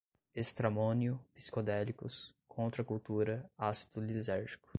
estramônio, psicodélicos, contracultura, ácido lisérgico